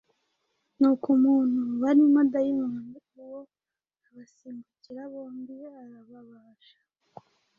Nuko umuntu warimo dayimoni uwo abasimbukira bombi arababasha,